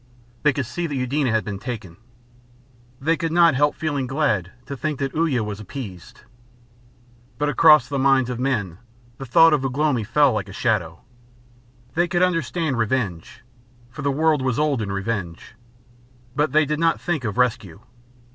They could see that Eudena had been taken. They could not help feeling glad to think that Uya was appeased. But across the minds of the men the thought of Ugh lomi fell like a shadow. They could understand revenge, for the world was old in revenge, but they did not think of rescue.